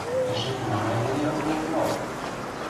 Эше кунам айдеме ок локтылалт?